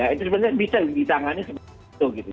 itu sebenarnya bisa di tangan seperti itu